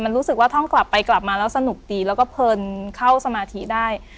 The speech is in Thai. มันรู้สึกว่าท่องกลับไปกลับมาแล้วสนุกดีแล้วก็เพลินเข้าสมาธิได้